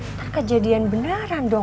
ntar kejadian beneran dong